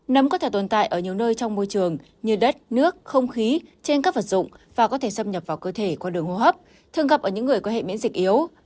nấm có thể tồn tại ở nhiều nơi trong môi trường như đất nước không khí trên các vật dụng và có thể xâm nhập vào cơ thể qua đường hô hấp thường gặp ở những người có hệ miễn dịch yếu